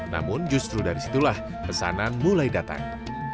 namun justru dari situlah pesanan mulai datang